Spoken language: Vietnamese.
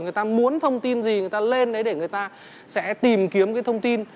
người ta muốn thông tin gì người ta lên đấy để người ta sẽ tìm kiếm cái thông tin